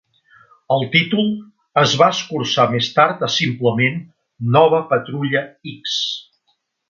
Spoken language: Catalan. El títol es va escurçar més tard a simplement "Nova patrulla X".